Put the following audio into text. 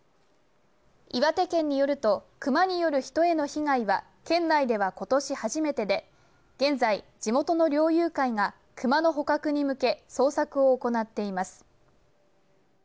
岩手県によると熊による人への被害は県内では今年初めてで現在、地元の猟友会が熊の捕獲に向け捜索を行っています。